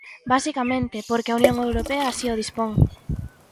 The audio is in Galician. Basicamente, porque a Unión Europea así o dispón.